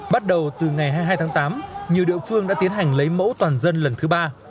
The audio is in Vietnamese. bắt đầu từ ngày hai mươi hai tháng tám nhiều địa phương đã tiến hành lấy mẫu toàn dân lần thứ ba